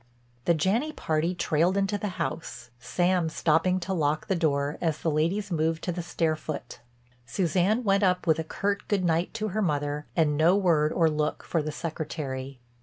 The Janney party trailed into the house, Sam stopping to lock the door as the ladies moved to the stair foot. Suzanne went up with a curt "good night" to her mother, and no word or look for the Secretary.